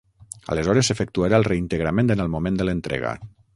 Aleshores s'efectuarà el reintegrament en el moment de l'entrega.